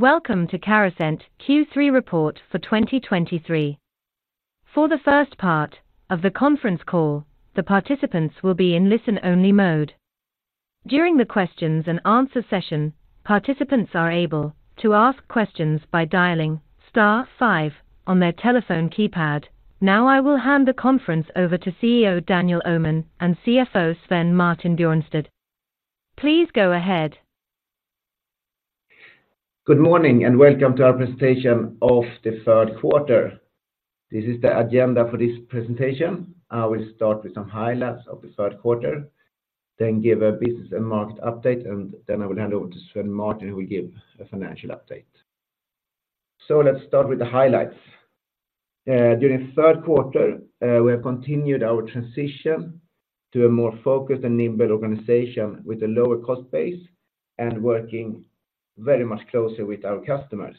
Welcome to Carasent Q3 Report for 2023. For the first part of the conference call, the participants will be in listen-only mode. During the questions and answer session, participants are able to ask questions by dialing star five on their telephone keypad. Now, I will hand the conference over to CEO Daniel Öhman and CFO Svein Martin Bjørnstad. Please go ahead. Good morning, and welcome to our Presentation of the Q3. This is the agenda for this presentation. I will start with some highlights of the Q3, then give a business and market update, and then I will hand over to Svein Martin, who will give a financial update. So let's start with the highlights. During the Q3, we have continued our transition to a more focused and nimble organization with a lower cost base and working very much closer with our customers.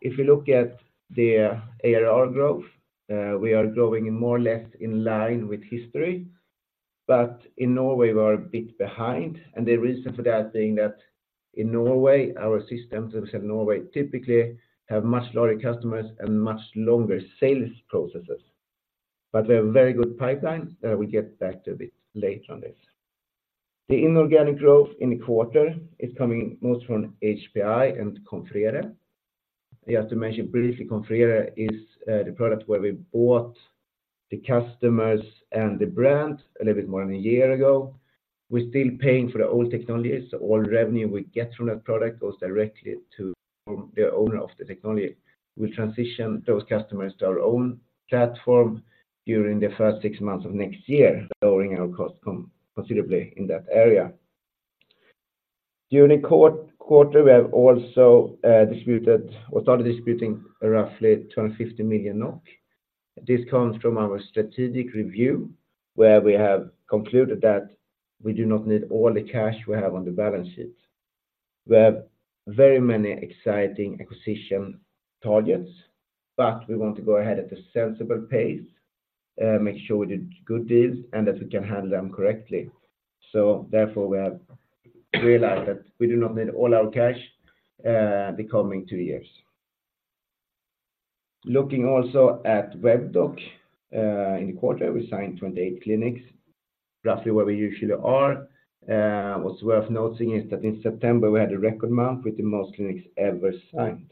If you look at the ARR growth, we are growing more or less in line with history, but in Norway, we're a bit behind, and the reason for that being that in Norway, our systems in Norway typically have much larger customers and much longer sales processes. But we have a very good pipeline, we get back to a bit later on this. The inorganic growth in the quarter is coming most from HPI and Confrere. I have to mention briefly, Confrere is, the product where we bought the customers and the brand a little bit more than a year ago. We're still paying for the old technologies. So all revenue we get from that product goes directly to the owner of the technology. We transition those customers to our own platform during the first six months of next year, lowering our cost considerably in that area. During quarter, we have also, distributed or started distributing roughly 250 million NOK. This comes from our strategic review, where we have concluded that we do not need all the cash we have on the balance sheet. We have very many exciting acquisition targets, but we want to go ahead at a sensible pace, make sure we did good deals and that we can handle them correctly. So therefore, we have realized that we do not need all our cash, the coming two years. Looking also at Webdoc, in the quarter, we signed 28 clinics, roughly where we usually are. What's worth noting is that in September, we had a record month with the most clinics ever signed,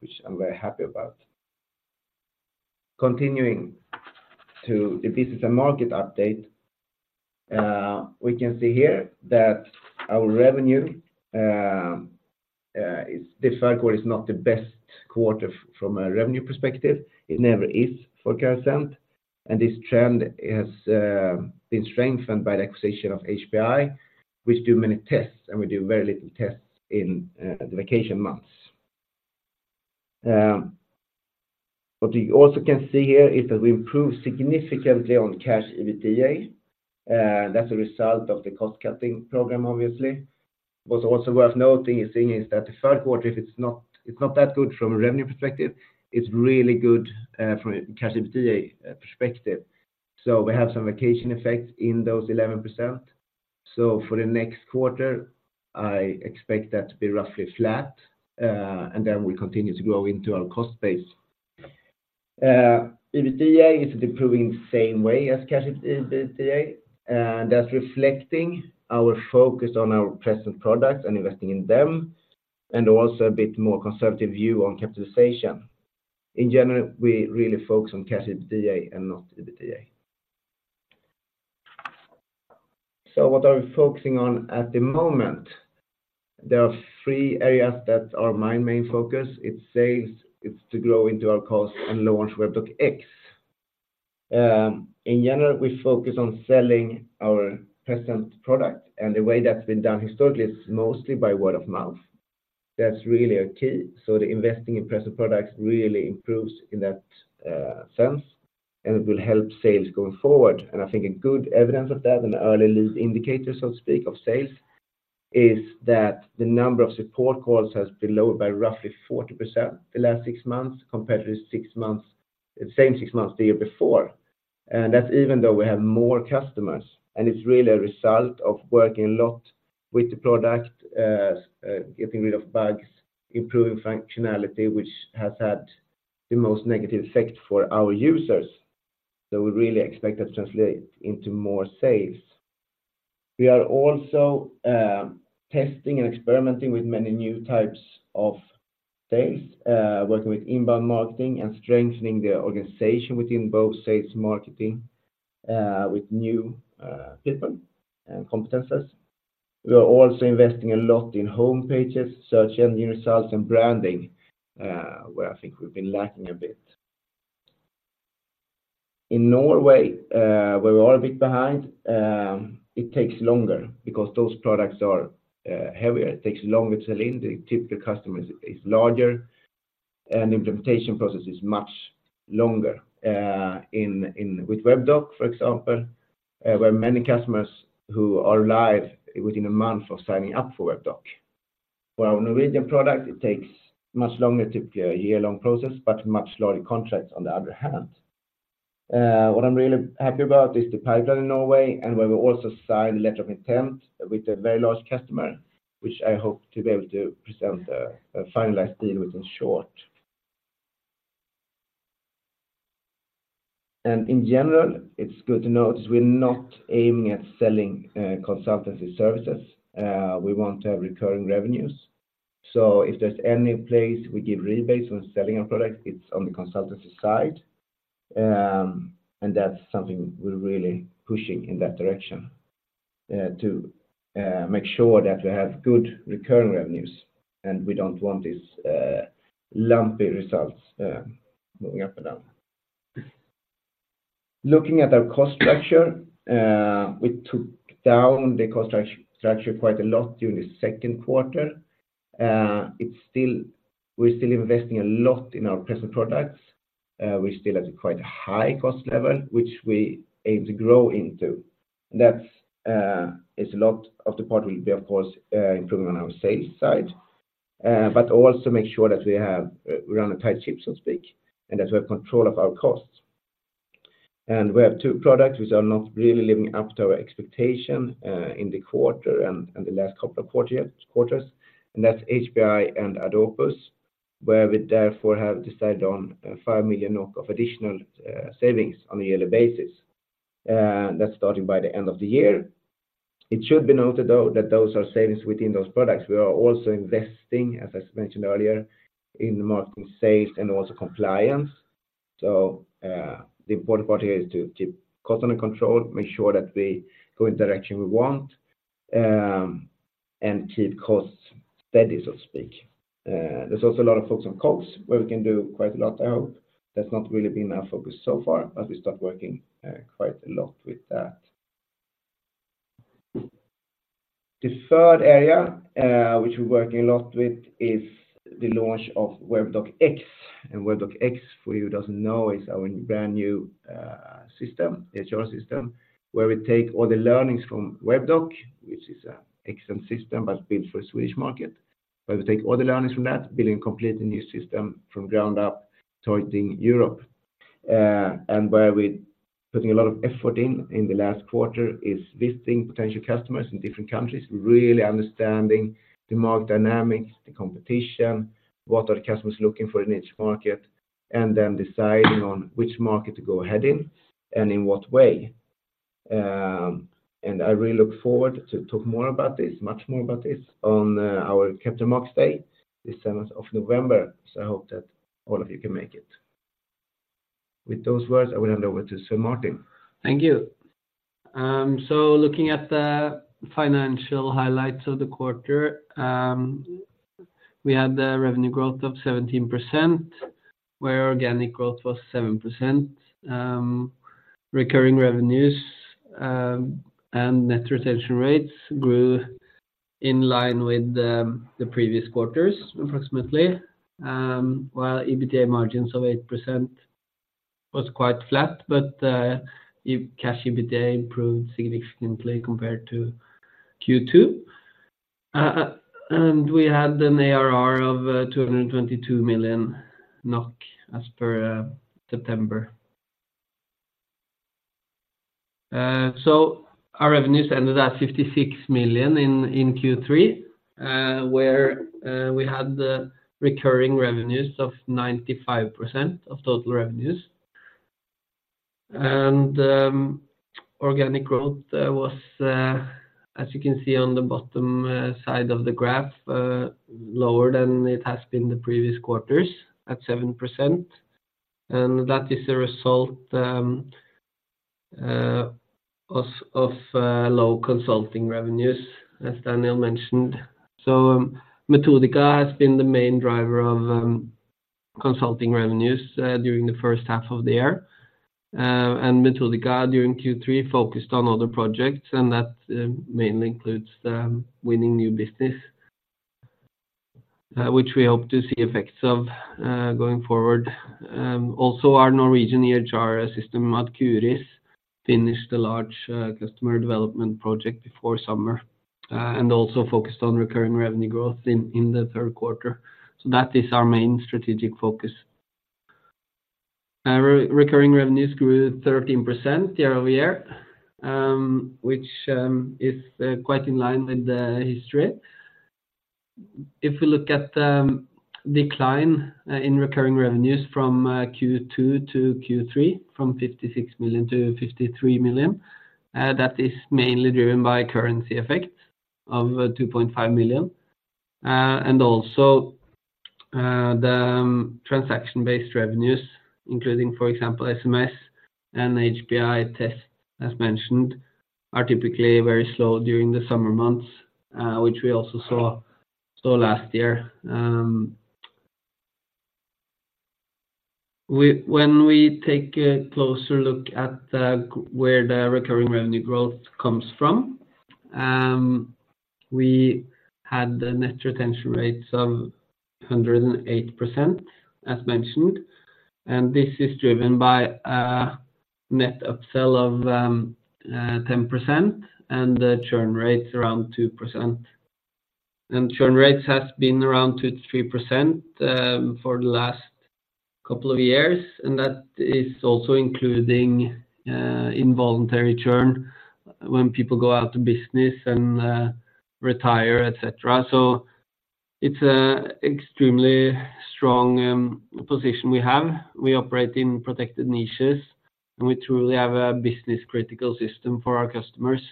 which I'm very happy about. Continuing to the business and market update, we can see here that our revenue, the Q3 is not the best quarter from a revenue perspective. It never is for Carasent, and this trend has been strengthened by the acquisition of HPI, which do many tests, and we do very little tests in the vacation months. What you also can see here is that we improve significantly on Cash EBITDA, that's a result of the cost-cutting program, obviously. What's also worth noting is that the Q3, if it's not, it's not that good from a revenue perspective, it's really good from an EBITDA perspective. So we have some vacation effects in those 11%. So for the next quarter, I expect that to be roughly flat, and then we continue to grow into our cost base. EBITDA is improving the same way as cash EBITDA, and that's reflecting our focus on our present products and investing in them, and also a bit more conservative view on capitalization. In general, we really focus on cash EBITDA and not EBITDA. So what are we focusing on at the moment? There are three areas that are my main focus. It's sales, it's to grow into our cost, and launch Webdoc X. In general, we focus on selling our present product, and the way that's been done historically is mostly by word of mouth. That's really a key, so the investing in present products really improves in that, sense, and it will help sales going forward. I think a good evidence of that, an early lead indicator, so to speak, of sales, is that the number of support calls has been lowered by roughly 40% the last six months, compared to the same six months the year before. That's even though we have more customers, and it's really a result of working a lot with the product, getting rid of bugs, improving functionality, which has had the most negative effect for our users. We really expect that to translate into more sales. We are also testing and experimenting with many new types of sales, working with inbound marketing and strengthening the organization within both sales marketing, with new people and competences. We are also investing a lot in home pages, search engine results, and branding, where I think we've been lacking a bit. In Norway, where we're a bit behind, it takes longer because those products are heavier. It takes longer to sell in. The typical customer is larger, and implementation process is much longer, in with Webdoc, for example, where many customers who are live within a month of signing up for Webdoc. For our Norwegian product, it takes much longer, typically a year-long process, but much larger contracts on the other hand. What I'm really happy about is the pipeline in Norway, and where we also signed a letter of intent with a very large customer, which I hope to be able to present a finalized deal with in short. And in general, it's good to notice we're not aiming at selling consultancy services. We want to have recurring revenues. So if there's any place we give rebates on selling our product, it's on the consultancy side. And that's something we're really pushing in that direction to make sure that we have good recurring revenues, and we don't want these lumpy results moving up and down. Looking at our cost structure, we took down the cost structure quite a lot during the Q2. It's still, we're still investing a lot in our present products. We still have a quite high cost level, which we aim to grow into, and that's is a lot of the part will be, of course, improving on our sales side, but also make sure that we have we run a tight ship, so to speak, and that we have control of our costs. And we have two products which are not really living up to our expectation in the quarter and, and the last couple of quarters, and that's HPI and Ad Opus, where we therefore have decided on 5 million NOK of additional savings on a yearly basis. That's starting by the end of the year. It should be noted, though, that those are savings within those products. We are also investing, as I mentioned earlier, in marketing, sales, and also compliance. So, the important part here is to keep customer control, make sure that we go in the direction we want, and keep costs steady, so to speak. There's also a lot of focus on costs, where we can do quite a lot, I hope. That's not really been our focus so far, but we start working quite a lot with that. The third area, which we're working a lot with is the launch of Webdoc X. And Webdoc X, for you who doesn't know, is our brand new system, EHR system, where we take all the learnings from Webdoc, which is an excellent system, but built for Swedish market, where we take all the learnings from that, building a completely new system from ground up, targeting Europe. And where we're putting a lot of effort in, in the last quarter, is visiting potential customers in different countries, really understanding the market dynamics, the competition, what are the customers looking for in each market, and then deciding on which market to go ahead in and in what way. I really look forward to talk more about this, much more about this, on our Capital Markets Day, this seventh of November. So I hope that all of you can make it. With those words, I will hand over to Svein Martin. Thank you. So looking at the financial highlights of the quarter, we had a revenue growth of 17%, where organic growth was 7%. Recurring revenues and net retention rates grew in line with the previous quarters, approximately, while EBITDA margins of 8% was quite flat, but the cash EBITDA improved significantly compared to Q2. And we had an ARR of 222 million NOK as per September. So our revenues ended at 56 million in Q3, where we had the recurring revenues of 95% of total revenues. And organic growth was, as you can see on the bottom side of the graph, lower than it has been the previous quarters, at 7%. That is the result of low consulting revenues, as Daniel mentioned. Metodika has been the main driver of consulting revenues during the first half of the year. Metodika, during Q3, focused on other projects, and that mainly includes winning new business, which we hope to see effects of going forward. Also, our Norwegian EHR system, Ad Curis, finished a large customer development project before summer and also focused on recurring revenue growth in the Q3. That is our main strategic focus. Our recurring revenues grew 13% year-over-year, which is quite in line with the history. If we look at the decline in recurring revenues from Q2 to Q3, from 56 million to 53 million, that is mainly driven by currency effect of 2.5 million, and also the transaction-based revenues, including, for example, SMS and HPI test, as mentioned, are typically very slow during the summer months, which we also saw last year. When we take a closer look at where the recurring revenue growth comes from, we had the net retention rates of 108%, as mentioned, and this is driven by a net upsell of 10% and the churn rates around 2%. And churn rates has been around 2%-3% for the last couple of years, and that is also including involuntary churn, when people go out of business and retire, et cetera. So it's a extremely strong position we have. We operate in protected niches, and we truly have a business-critical system for our customers.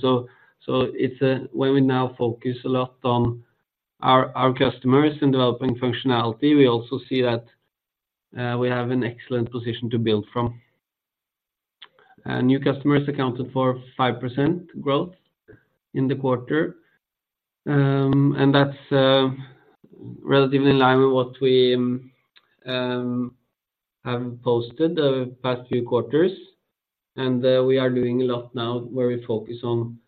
So it's a where we now focus a lot on our customers and developing functionality. We also see that we have an excellent position to build from. New customers accounted for 5% growth in the quarter. And that's relatively in line with what we have posted the past few quarters. And we are doing a lot now where we focus on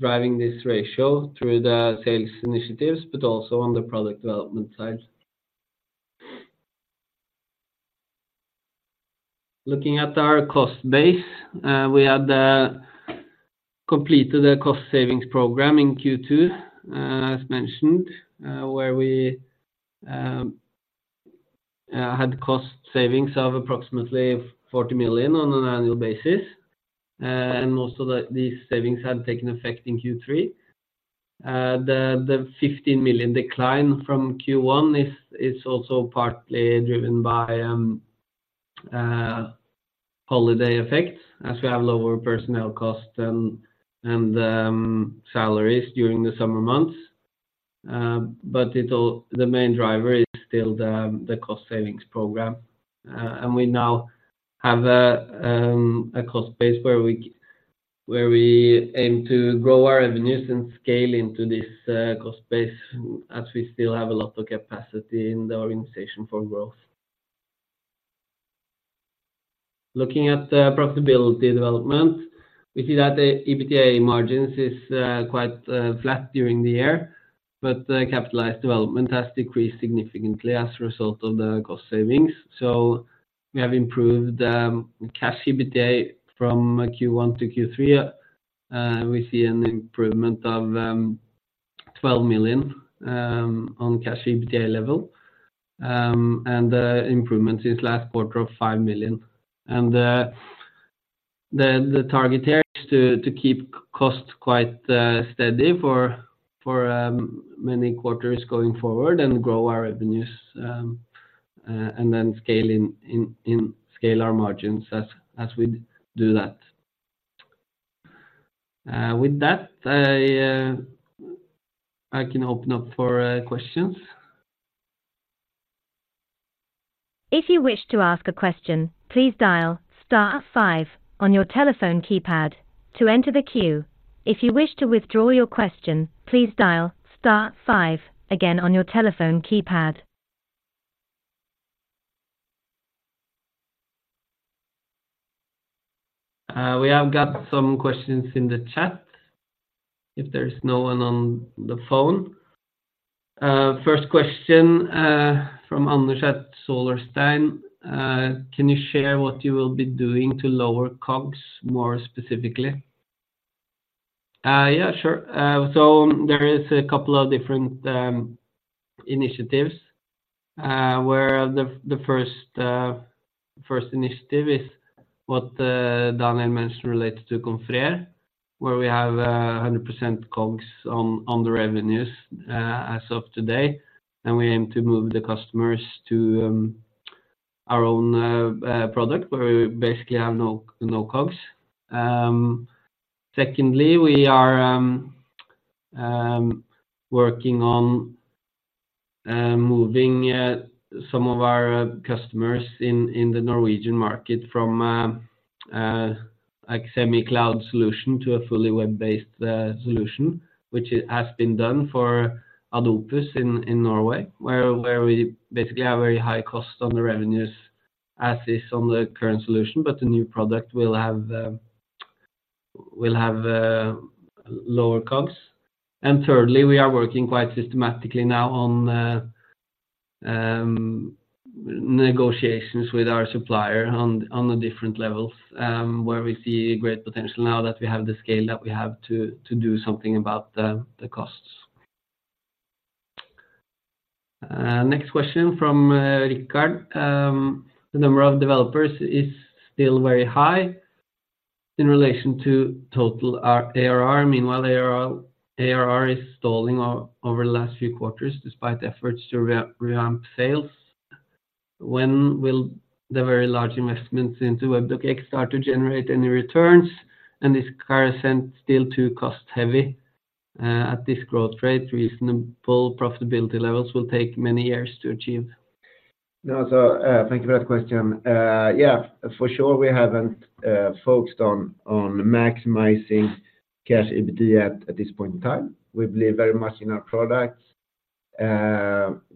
driving this ratio through the sales initiatives, but also on the product development side. Looking at our cost base, we had completed a cost savings program in Q2, as mentioned, where we had cost savings of approximately 40 million on an annual basis. Most of these savings had taken effect in Q3. The 15 million decline from Q1 is also partly driven by holiday effects, as we have lower personnel costs and salaries during the summer months. But it all, the main driver is still the cost savings program. We now have a cost base where we aim to grow our revenues and scale into this cost base, as we still have a lot of capacity in the organization for growth. Looking at the profitability development, we see that the EBITDA margins is quite flat during the year, but the capitalized development has decreased significantly as a result of the cost savings. So we have improved cash EBITDA from Q1 to Q3, we see an improvement of 12 million on cash EBITDA level, and the improvement is last quarter of 5 million. And the target here is to keep costs quite steady for many quarters going forward and grow our revenues and then scale in scale our margins as we do that. With that, I can open up for questions. If you wish to ask a question, please dial star five on your telephone keypad to enter the queue. If you wish to withdraw your question, please dial star five again on your telephone keypad. We have got some questions in the chat. If there's no one on the phone. First question from Andrew at Solerstein. Can you share what you will be doing to lower COGS more specifically? Yeah, sure. So there is a couple of different initiatives where the first initiative is what Daniel mentioned related to Confrere, where we have 100% COGS on the revenues as of today, and we aim to move the customers to our own product, where we basically have no COGS. Secondly, we are working on moving some of our customers in the Norwegian market from a semi-cloud solution to a fully web-based solution, which has been done for Ad Opus in Norway, where we basically have very high costs on the revenues, as is on the current solution, but the new product will have lower COGS. And thirdly, we are working quite systematically now on negotiations with our supplier on the different levels, where we see great potential now that we have the scale that we have to do something about the costs. Next question from Rickard. The number of developers is still very high in relation to total ARR. Meanwhile, ARR is stalling over the last few quarters, despite efforts to ramp sales. When will the very large investments into Webdoc X start to generate any returns? And is Carasent still too cost-heavy, at this growth rate, reasonable profitability levels will take many years to achieve? No, so, thank you for that question. Yeah, for sure, we haven't focused on maximizing cash EBITDA at this point in time. We believe very much in our products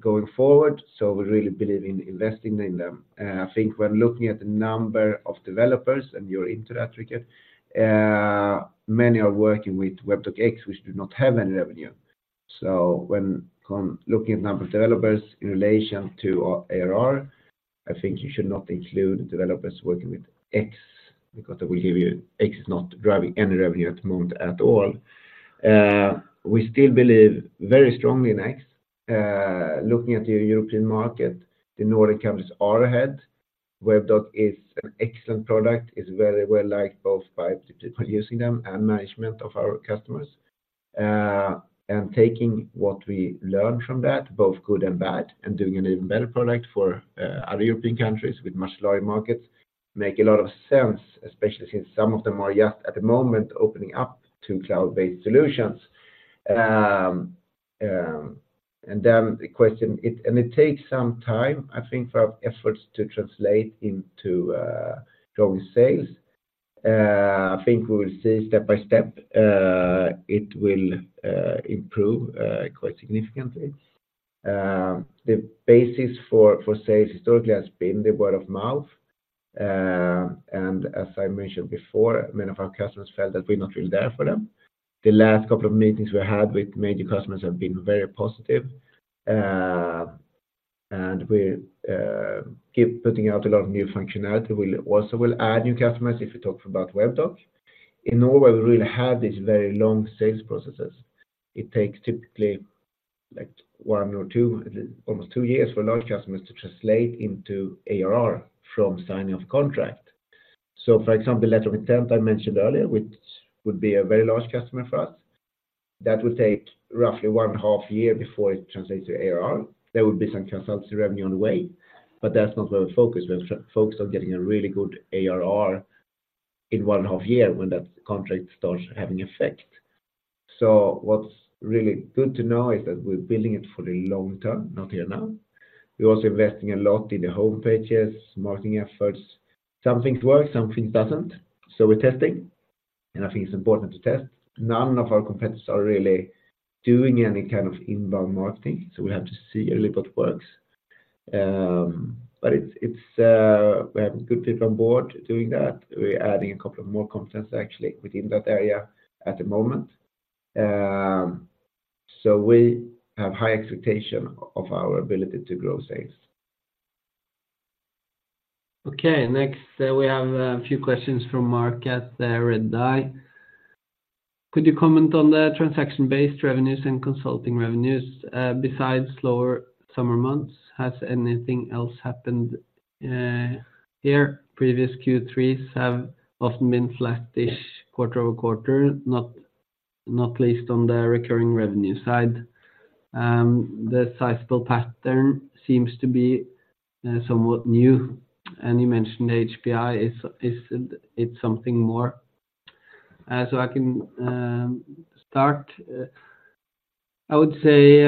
going forward, so we really believe in investing in them. I think when looking at the number of developers, and you're into that, Rickard, many are working with Webdoc X, which do not have any revenue. So when come looking at the number of developers in relation to our ARR, I think you should not include developers working with X, because I will hear you, X is not driving any revenue at the moment at all. We still believe very strongly in X. Looking at the European market, the northern countries are ahead. Webdoc is an excellent product, is very well liked both by people using them and management of our customers. And taking what we learned from that, both good and bad, and doing an even better product for, other European countries with much lower markets, make a lot of sense, especially since some of them are just at the moment, opening up to cloud-based solutions. And then the question, and it takes some time, I think, for our efforts to translate into, growing sales. I think we will see step by step, it will, improve, quite significantly. The basis for, for sales historically has been the word of mouth. And as I mentioned before, many of our customers felt that we're not really there for them. The last couple of meetings we had with major customers have been very positive. And we keep putting out a lot of new functionality. We'll also will add new customers if you talk about Webdoc. In Norway, we really have these very long sales processes. It takes typically, like, one or two, almost two years for large customers to translate into ARR from signing of contract. So for example, letter of intent I mentioned earlier, which would be a very large customer for us, that would take roughly one and a half year before it translates to ARR. There would be some consultancy revenue on the way, but that's not where we're focused. We're focused on getting a really good ARR in one and a half year when that contract starts having effect. So what's really good to know is that we're building it for the long term, not here now. We're also investing a lot in the home pages, marketing efforts. Some things work, some things doesn't. So we're testing, and I think it's important to test. None of our competitors are really doing any kind of inbound marketing, so we have to see really what works. But it's we have good people on board doing that. We're adding a couple of more competitors, actually, within that area at the moment. So we have high expectation of our ability to grow sales. Okay, next, we have a few questions from Mark at Red Eye. Could you comment on the transaction-based revenues and consulting revenues? Besides slower summer months, has anything else happened here? Previous Q3s have often been flattish quarter-over-quarter, not, not least on the recurring revenue side. The sizable pattern seems to be somewhat new, and you mentioned HPI, is it something more? So I can start. I would say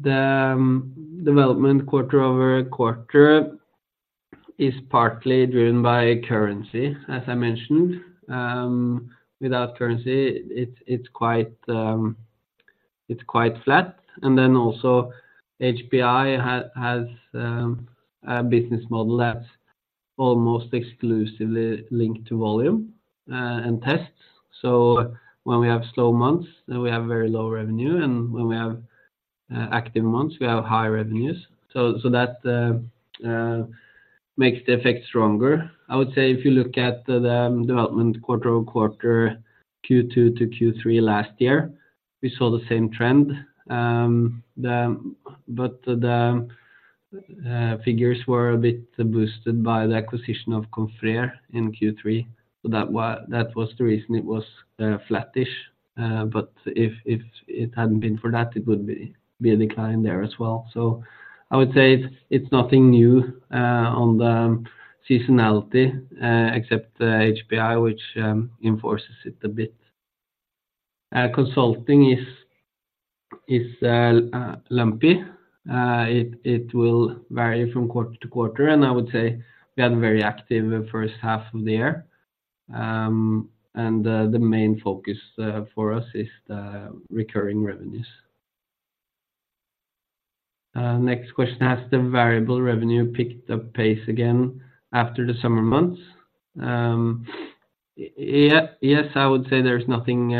the development quarter-over-quarter is partly driven by currency, as I mentioned. Without currency, it's quite flat. And then also HPI has a business model that's almost exclusively linked to volume and tests. So when we have slow months, then we have very low revenue, and when we have active months, we have high revenues. So that makes the effect stronger. I would say if you look at the development quarter over quarter, Q2 to Q3 last year, we saw the same trend. But the figures were a bit boosted by the acquisition of Confrere in Q3. So that was the reason it was flattish, but if it hadn't been for that, it would be a decline there as well. So I would say it's nothing new on the seasonality, except the HPI, which enforces it a bit. Consulting is lumpy. It will vary from quarter to quarter, and I would say we had a very active first half of the year. And the main focus for us is the recurring revenues. Next question, has the variable revenue picked up pace again after the summer months? Yes, I would say there's nothing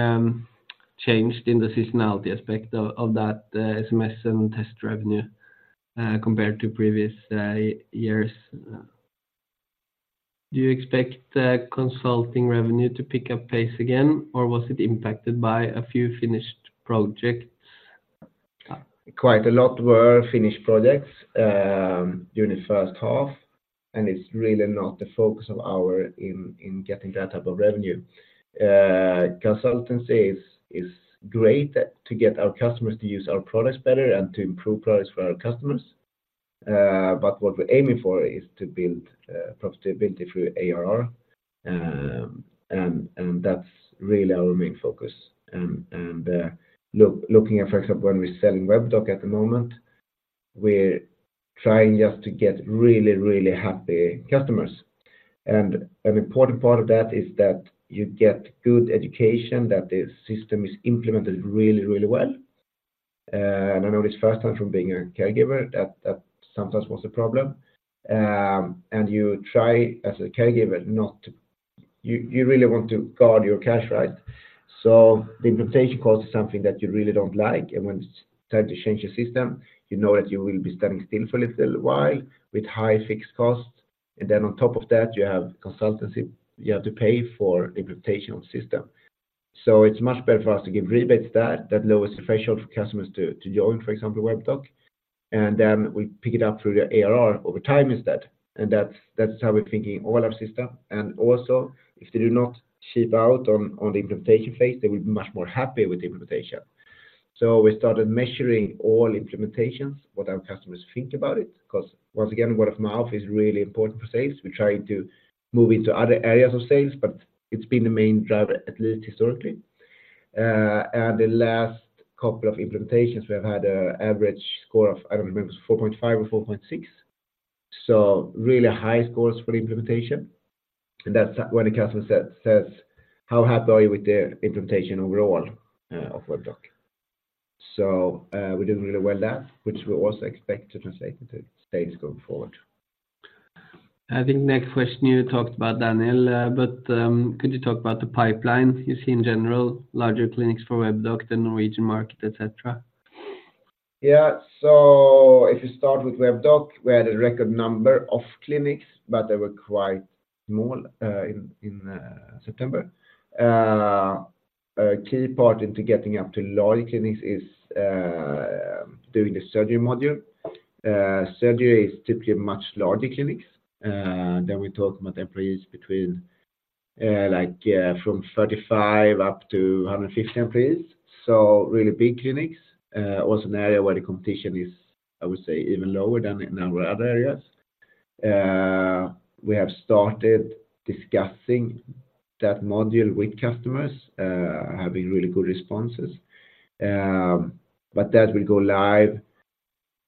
changed in the seasonality aspect of that SMS and test revenue compared to previous years. Do you expect the consulting revenue to pick up pace again, or was it impacted by a few finished projects? Quite a lot were finished projects during the first half, and it's really not the focus of our in getting that type of revenue. Consultancy is great to get our customers to use our products better and to improve products for our customers. But what we're aiming for is to build profitability through ARR, and that's really our main focus and, looking at, for example, when we're selling Webdoc at the moment, we're trying just to get really, really happy customers. And an important part of that is that you get good education, that the system is implemented really, really well. And I know this first time from being a caregiver, that sometimes was a problem. And you try as a caregiver, you really want to guard your cash, right? So the implementation cost is something that you really don't like, and when it's time to change your system, you know that you will be standing still for a little while with high fixed costs. And then on top of that, you have consultancy, you have to pay for implementation of the system. So it's much better for us to give rebates that, that lowers the threshold for customers to, to join, for example, Webdoc, and then we pick it up through the ARR over time instead. And that's, that's how we're thinking all our system. And also, if they do not cheap out on, on the implementation phase, they will be much more happy with the implementation. So we started measuring all implementations, what our customers think about it, because once again, word of mouth is really important for sales. We're trying to move into other areas of sales, but it's been the main driver, at least historically. And the last couple of implementations, we have had an average score of, I don't remember, it was 4.5 or 4.6. So really high scores for the implementation. And that's when the customer said-says, how happy are you with the implementation overall, of Webdoc? So, we're doing really well there, which we also expect to translate into sales going forward. I think next question, you talked about Daniel, but could you talk about the pipeline you see in general, larger clinics for Webdoc, the Norwegian market, et cetera? Yeah. So if you start with Webdoc, we had a record number of clinics, but they were quite small in September. A key part into getting up to larger clinics is doing the surgery module. Surgery is typically a much larger clinics, then we talk about employees between like from 35 up to 150 employees. So really big clinics, also an area where the competition is, I would say, even lower than in our other areas. We have started discussing that module with customers, having really good responses. But that will go live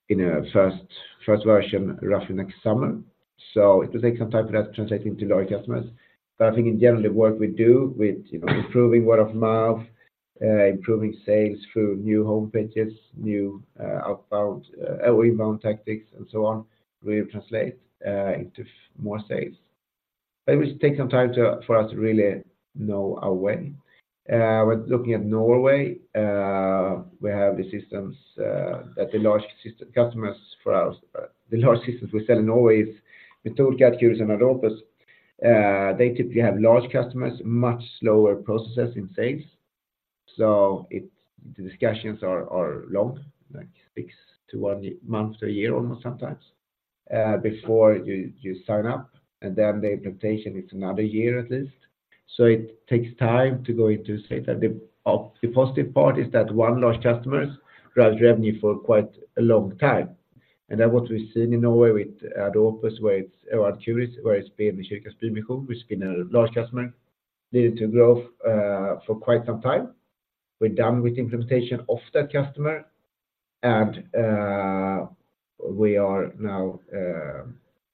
in a first version, roughly next summer. So it will take some time for that to translating to larger customers. I think in general, the work we do with, you know, improving word of mouth, improving sales through new home pages, new, outbound, inbound tactics, and so on, will translate into more sales. It will take some time for us to really know our way. With looking at Norway, we have the systems that the large system customers for the large systems we sell in Norway is with Ad Curis and Ad Opus. They typically have large customers, much slower processes in sales. So the discussions are long, like 6-12 months to a year, almost sometimes, before you sign up, and then the implementation is another year at least. So it takes time to, say, that the positive part is that one large customers drive revenue for quite a long time. And then what we've seen in Norway with Ad Opus or Ad Curis, where it's been the churn has been low, which has been a large customer, leading to growth for quite some time. We're done with the implementation of that customer, and we are now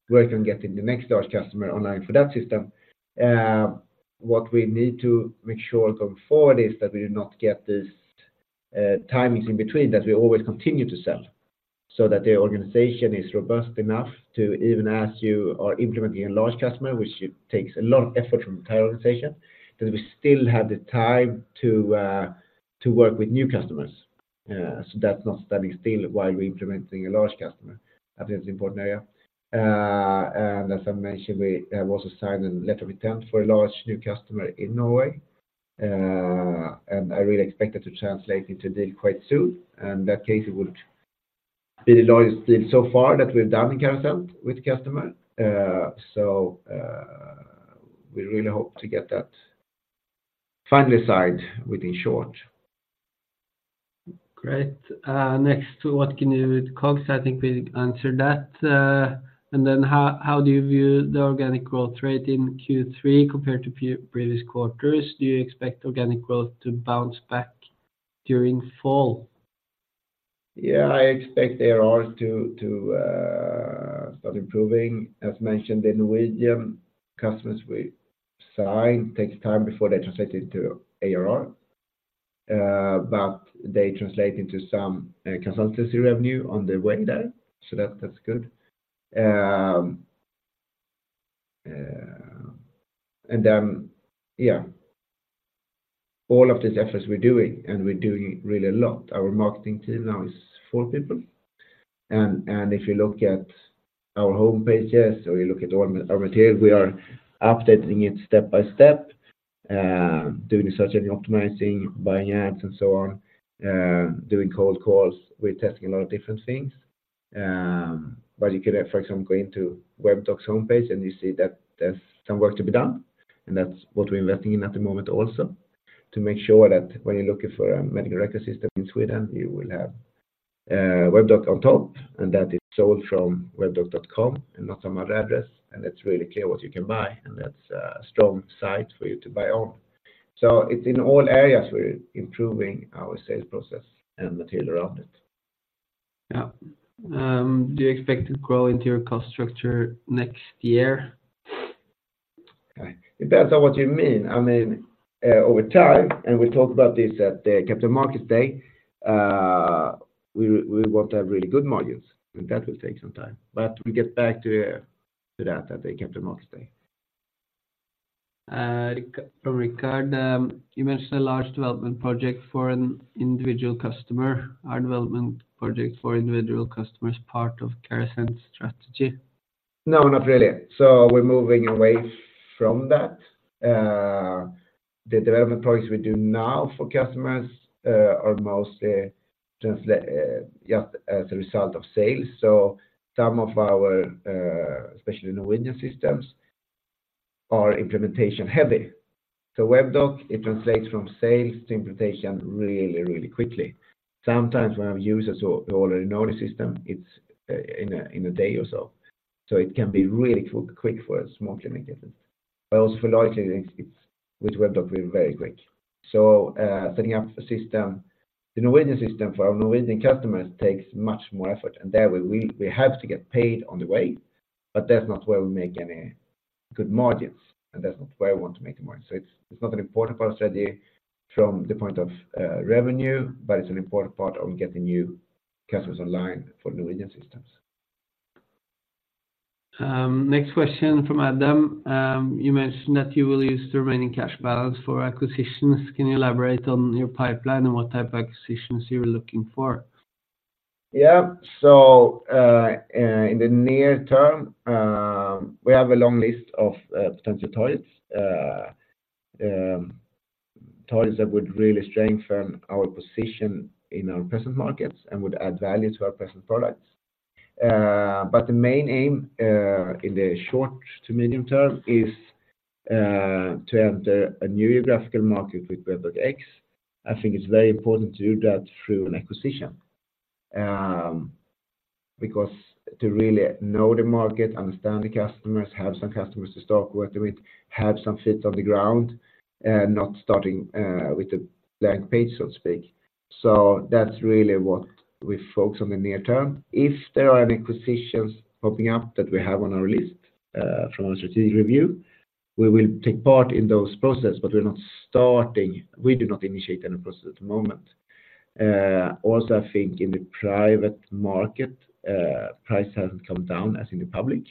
working on getting the next large customer online for that system. What we need to make sure going forward is that we do not get this, timings in between, that we always continue to sell, so that the organization is robust enough to even as you are implementing a large customer, which it takes a lot of effort from the entire organization, that we still have the time to work with new customers. So that's not standing still while we're implementing a large customer. I think it's an important area. And as I mentioned, we also signed a letter of intent for a large new customer in Norway, and I really expect that to translate into deal quite soon, and that case, it would be the largest deal so far that we've done in Carasent with customer. So, we really hope to get that finally signed within short. Great. Next to what can you do with COGS? I think we answered that. And then how do you view the organic growth rate in Q3 compared to previous quarters? Do you expect organic growth to bounce back during fall? Yeah, I expect the ARR to start improving. As mentioned, in Norwegian customers we sign takes time before they translate into ARR, but they translate into some consultancy revenue on the way there, so that's good. And then, yeah, all of this efforts we're doing, and we're doing really a lot. Our marketing team now is four people. And if you look at our home pages or you look at all our material, we are updating it step by step, doing the searching, optimizing, buying ads, and so on, doing cold calls. We're testing a lot of different things. You could, for example, go into Webdoc's homepage and you see that there's some work to be done, and that's what we're investing in at the moment also, to make sure that when you're looking for a medical record system in Sweden, you will have Webdoc on top, and that is sold from webdoc.com, and not some other address, and it's really clear what you can buy, and that's a strong site for you to buy on. It's in all areas we're improving our sales process and the material around it. Yeah. Do you expect to grow into your cost structure next year? It depends on what you mean. I mean, over time, and we talked about this at the Capital Markets Day, we, we want to have really good margins, and that will take some time, but we get back to, to that at the Capital Markets Day. From Rickard, you mentioned a large development project for an individual customer. Are development projects for individual customers part of Carasent strategy? No, not really. So we're moving away from that. The development projects we do now for customers are mostly as a result of sales. So some of our, especially Norwegian systems are implementation heavy. So Webdoc, it translates from sales to implementation really, really quickly. Sometimes when I have users who already know the system, it's in a day or so. So it can be really quick for a small clinic difference, but also for large clinics, it's, with Webdoc, we're very quick. So, setting up a system, the Norwegian system for our Norwegian customers takes much more effort, and there we have to get paid on the way, but that's not where we make any good margins, and that's not where I want to make the margin. So it's, it's not an important part of strategy from the point of revenue, but it's an important part of getting new customers online for Norwegian systems. Next question from Adam. You mentioned that you will use the remaining cash balance for acquisitions. Can you elaborate on your pipeline and what type of acquisitions you were looking for? Yeah. So in the near term, we have a long list of potential targets, targets that would really strengthen our position in our present markets and would add value to our present products. But the main aim in the short to medium term is to enter a new geographical market with Webdoc X. I think it's very important to do that through an acquisition, because to really know the market, understand the customers, have some customers to start working with, have some feet on the ground, not starting with a blank page, so to speak. So that's really what we focus on the near term. If there are any acquisitions popping up that we have on our list from a strategic review, we will take part in those process, but we're not starting. We do not initiate any process at the moment. Also, I think in the private market, price hasn't come down as in the public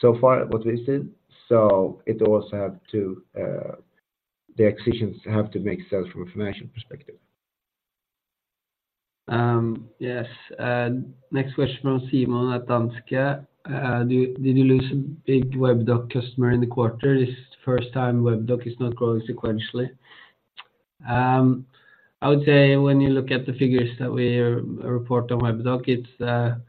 so far, what we've seen, so it also have to, the acquisitions have to make sense from a financial perspective. Yes. Next question from Simon at Danske. Did you lose a big Webdoc customer in the quarter? Is first time Webdoc is not growing sequentially. I would say when you look at the figures that we report on Webdoc, it's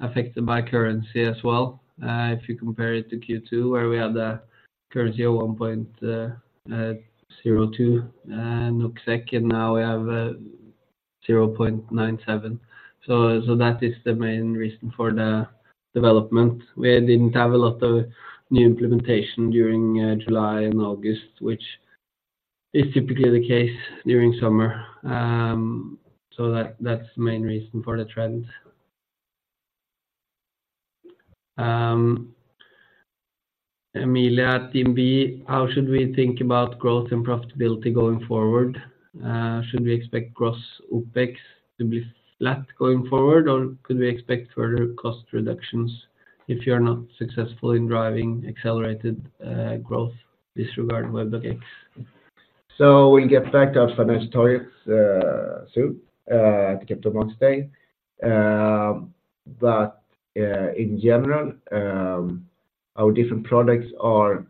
affected by currency as well. If you compare it to Q2, where we had a currency of 1.02 and now we have 0.97. So that is the main reason for the development. We didn't have a lot of new implementation during July and August, which is typically the case during summer. So that, that's the main reason for the trend. Emilia at DNB, how should we think about growth and profitability going forward? Should we expect cross OpEx to be flat going forward, or could we expect further cost reductions if you're not successful in driving accelerated growth disregarding Webdoc X? So we get back to our financial targets soon at the Capital Markets Day. But in general, our different products are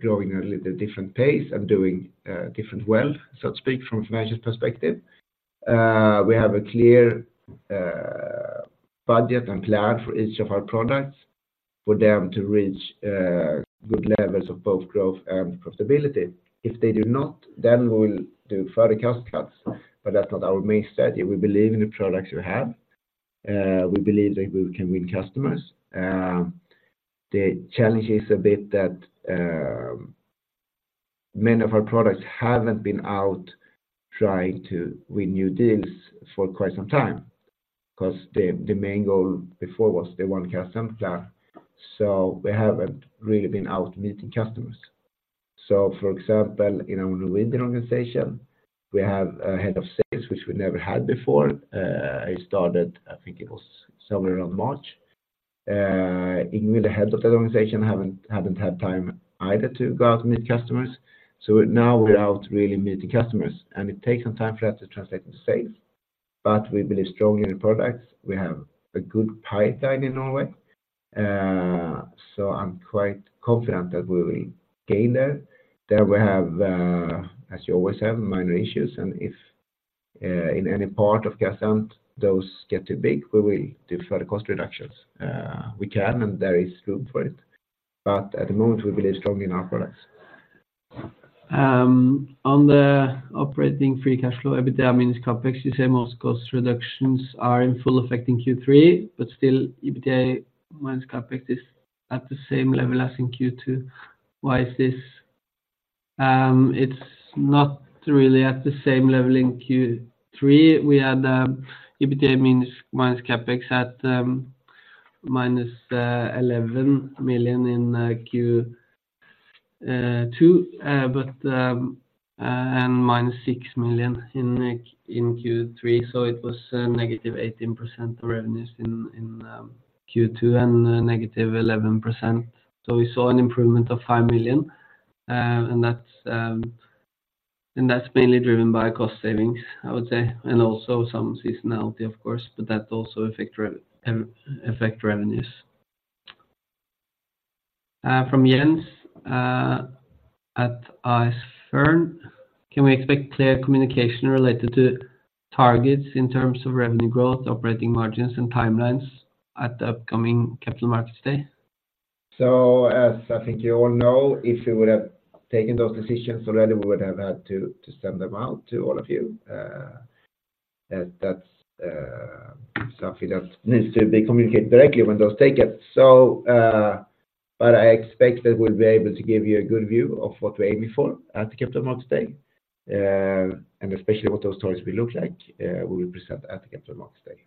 growing a little different pace and doing different well, so to speak, from a financial perspective. We have a clear budget and plan for each of our products for them to reach good levels of both growth and profitability. If they do not, then we'll do further cost cuts, but that's not our main strategy. We believe in the products we have. We believe that we can win customers. The challenge is a bit that many of our products haven't been out trying to win new deals for quite some time, because the main goal before was the one customer plan, so we haven't really been out meeting customers. So for example, in our Norwegian organization, we have a head of sales, which we never had before. I started, I think it was somewhere around March. Even with the head of that organization, haven't had time either to go out and meet customers. So now we're out really meeting customers, and it takes some time for that to translate to sales, but we believe strongly in the products. We have a good pipeline in Norway, so I'm quite confident that we will gain there. There we have, as you always have, minor issues, and if in any part of customer, those get too big, we will do further cost reductions. We can, and there is room for it, but at the moment, we believe strongly in our products. On the operating free cash flow, EBITDA minus CapEx, you say most cost reductions are in full effect in Q3, but still, EBITDA minus CapEx is at the same level as in Q2. Why is this? It's not really at the same level in Q3. We had EBITDA minus CapEx at -11 million in Q3 2022 but -6 million in Q3, so it was negative 18% revenues in Q2 and negative 11%. So we saw an improvement of 5 million, and that's mainly driven by cost savings, I would say, and also some seasonality, of course, but that also affect revenues. From Jens at Fern. Can we expect clear communication related to targets in terms of revenue growth, operating margins, and timelines at the upcoming Capital Markets Day? So as I think you all know, if we would have taken those decisions already, we would have had to send them out to all of you. That's something that needs to be communicated directly when those take it. So, but I expect that we'll be able to give you a good view of what we're aiming for at the Capital Markets Day, and especially what those targets will look like, we will present at the Capital Markets Day.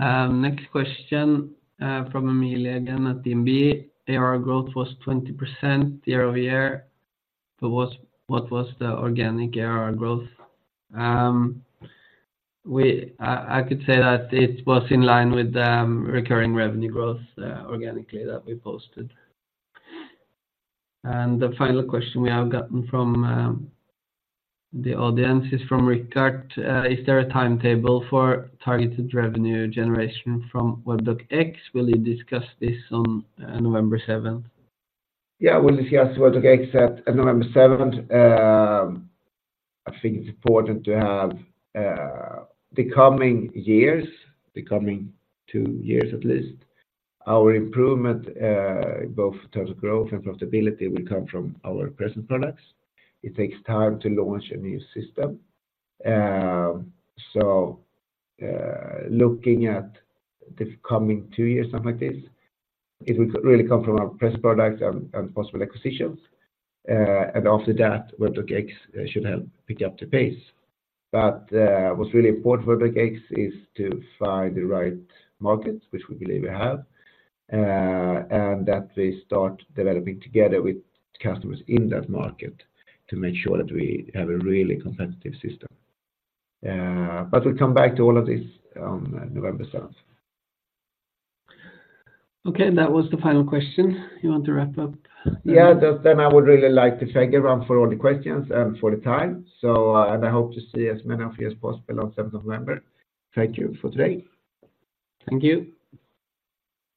Next question from Emilia again at DMB. ARR growth was 20% year-over-year, but what was the organic ARR growth? I could say that it was in line with the recurring revenue growth, organically, that we posted. And the final question we have gotten from the audience is from Rickard: Is there a timetable for targeted revenue generation from Webdoc X? Will you discuss this on November 7th? Yeah, we'll discuss Webdoc X at November 7th. I think it's important to have the coming years, the coming two years at least, our improvement both in terms of growth and profitability will come from our present products. It takes time to launch a new system. So, looking at the coming two years, something like this, it will really come from our present products and, and possible acquisitions. And after that, Webdoc X should help pick up the pace. But, what's really important for Webdoc X is to find the right market, which we believe we have, and that we start developing together with customers in that market to make sure that we have a really competitive system. But we'll come back to all of this on November 7th. Okay, that was the final question. You want to wrap up? Yeah, then I would really like to thank everyone for all the questions and for the time. So, and I hope to see as many of you as possible on 7th of November. Thank you for today. Thank you.